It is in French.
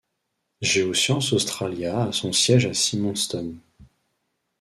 Geoscience Australia a son siège à Symonston.